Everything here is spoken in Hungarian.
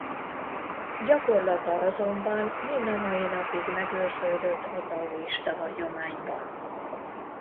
Gyakorlata azonban mind a mai napig megőrződött a taoista hagyományban.